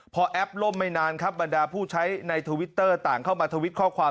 พอแอปล่มไม่นานครับบรรดาผู้ใช้ในทวิตเตอร์ต่างเข้ามาทวิตข้อความ